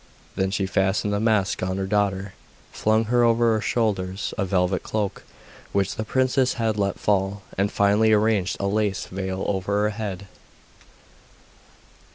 Then she fastened the mask on her daughter, flung over her shoulders a velvet cloak, which the princess had let fall, and finally arranged a lace veil over her head.